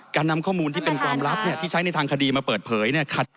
การนำข้อมูลที่เป็นความลับที่ใช้ในทางคดีมาเปิดเผยเนี่ย